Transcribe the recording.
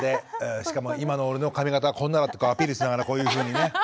しかも今の俺の髪形はこんなだとかアピールしながらこういうふうにね。